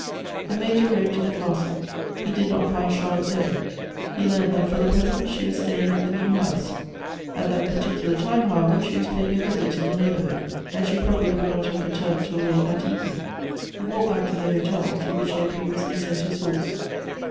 The Major rode to the castle. He did not find Char lotte there ; he learnt that for the present she was stay ing at the new house ; at that particular time, however, she was paying a visit in the neighborhood, and she probably would not have returned till late that evening. 276 Goethe's He walked back to the hotel, to which he had previously sent his horse.